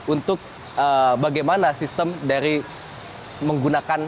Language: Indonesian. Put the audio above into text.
untuk bagaimana sistem dari menggunakan